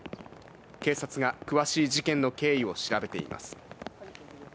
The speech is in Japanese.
警察が詳しい事件の経緯を調べています。